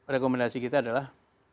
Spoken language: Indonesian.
rekomendasi kita adalah